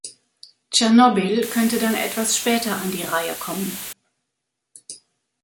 Tschernobyl könnte dann etwas später an die Reihe kommen.